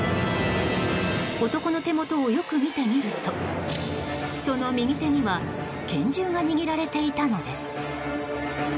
男の手元をよく見てみるとその右手には拳銃が握られていたのです。